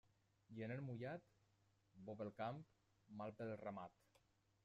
Gener mullat, bo pel camp, mal pel ramat.